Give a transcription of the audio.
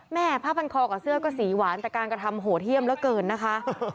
แม่ผ้าพันคอกับเสื้อก็สีหวานแต่การกระทำโหดเยี่ยมเหลือเกินนะคะ